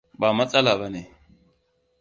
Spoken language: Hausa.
Ba matsala ba ne.